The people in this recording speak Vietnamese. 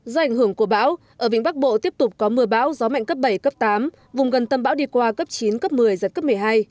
do ảnh hưởng của bão ở vĩnh bắc bộ tiếp tục có mưa bão gió mạnh cấp bảy cấp tám vùng gần tâm bão đi qua cấp chín cấp một mươi giật cấp một mươi hai